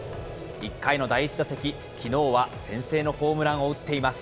１回の第１打席、きのうは先制のホームランを打っています。